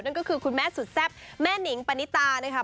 นั่นก็คือคุณแม่สุดแซ่บแม่นิงปณิตานะคะ